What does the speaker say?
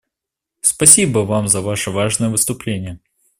Спасибо Вам за Ваше важное выступление.